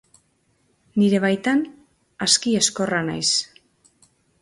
Nire baitan aski ezkorra naiz.